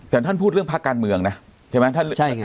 แต่ท่านพูดเรื่องภาคการเมืองนะใช่ไหม